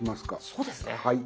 そうですね。